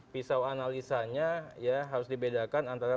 pisau analisanya ya harus dibedakan antara